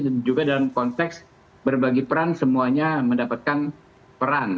dan juga dalam konteks berbagi peran semuanya mendapatkan peran